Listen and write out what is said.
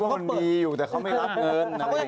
นึกว่ามันมีอยู่แต่เขาไม่รับเงินอะไรอย่างนี้